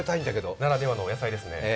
ならではの野菜ですね。